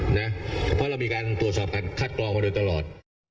เพราะเรามีการตรวจสอบคัดกรองมาโดยตลอด